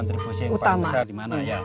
kontribusi paling besar di mana ya